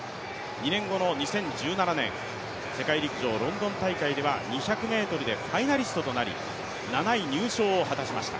２年後の２０１７年世界陸上ロンドン大会では２００ｍでファイナリストとなり７位入賞を果たしました。